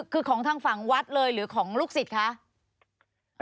คือของทางฝั่งวัดเลยหรือของลูกศิษย์คะ